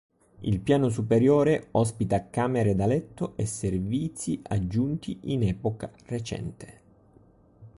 Il piano superiore ospita camere da letto e servizi aggiunti in epoca recente.